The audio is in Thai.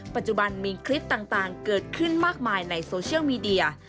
ปัจจุบันมีคลิปต่างเกิดขึ้นมากมายในโซเชียลมีเดีย